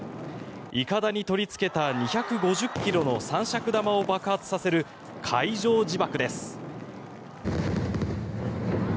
いかだに取りつけた２５０ｋｇの三尺玉を爆発させる海上自爆です。